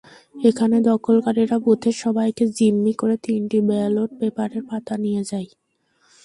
এখানে দখলকারীরা বুথের সবাইকে জিম্মি করে তিনটি ব্যালট পেপারের পাতা নিয়ে যায়।